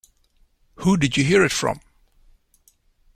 Who did you hear it from?